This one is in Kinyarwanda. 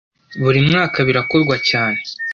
buri mwaka birakorwa cyane